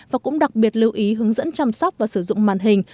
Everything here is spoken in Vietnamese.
và cũng đặc biệt lưu ý hướng dẫn chăm sóc và sử dụng màn hình